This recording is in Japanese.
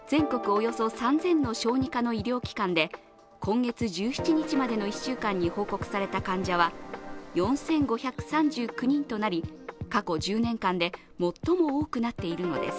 およそ３０００の小児科の医療機関で今月１７日までの１週間に報告された患者は４５３９人となり過去１０年間で最も多くなっているのです。